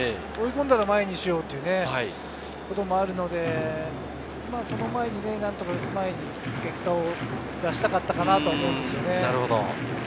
追い込んだら前にしようということもあるので、その前に何とか結果を出したかったかなと思うんですよね。